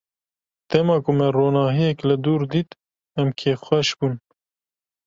Dema ku me ronahiyek li dûr dît, em kêfxweş bûn.